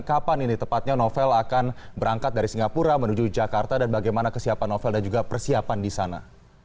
kapan ini tepatnya novel akan berangkat dari singapura menuju jakarta dan bagaimana kesiapan novel dan juga persiapan di sana